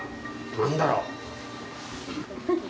何だろう？